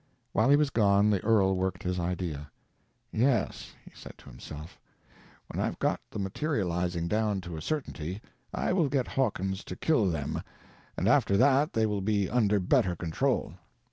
While he was gone, the earl worked his idea. "Yes," he said to himself, "when I've got the materializing down to a certainty, I will get Hawkins to kill them, and after that they will be under better control.